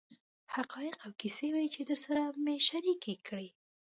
حقایق او کیسې وې چې درسره مې شریکې کړې.